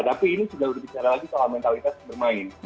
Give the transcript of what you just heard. tapi ini sudah berbicara lagi soal mentalitas bermain